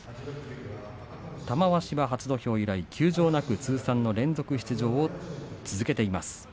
玉鷲、初土俵以来休場なく通算連続出場を続けています。